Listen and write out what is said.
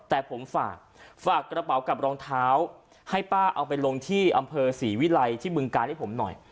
แต่ผมฝากฝากกระเป๋ากับรองเท้าให้ป้าเอาไปลงที่อำเภอศรีวิลัยที่บึงการให้ผมหน่อย